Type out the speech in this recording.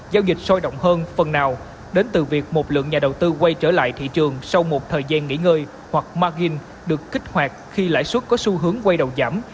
giao dịch sôi động hơn phần nào đến từ việc một lượng nhà đầu tư quay trở lại thị trường sau một thời gian nghỉ ngơi hoặc margin được kích hoạt khi lãi suất có xu hướng quay đầu giảm